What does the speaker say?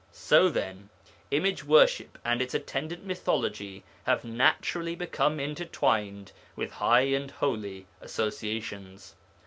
So, then, Image worship and its attendant Mythology have naturally become intertwined with high and holy associations.